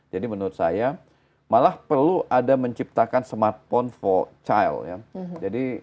jadi menurut saya malah perlu ada menciptakan smartphone for child